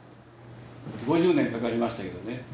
５０年かかりましたけどね。